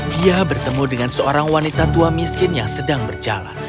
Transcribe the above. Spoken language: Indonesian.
dia bertemu dengan seorang wanita tua miskin yang sedang berjalan